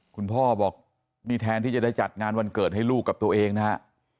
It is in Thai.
คุณพ่อบอกนี่แทนที่จะได้จัดงานวันเกิดให้ลูกกับตัวเองนะฮะ